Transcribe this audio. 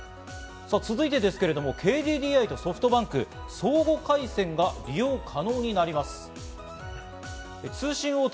さぁ続いてですけれども、ＫＤＤＩとソフトバンク、相互回線が利用可能になります。